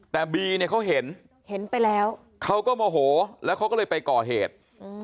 แต่บีเนี่ยเขาเห็นเห็นไปแล้วเขาก็โมโหแล้วเขาก็เลยไปก่อเหตุ